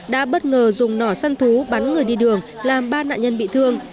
đã bất ngờ dùng nỏ săn thú bắn người đi đường làm ba nạn nhân bị thương